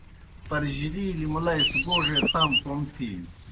پَرجِرِیلِیْ مُلئی سہ گوڙے تام کوْم تِھینیْ۔